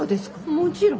もちろん。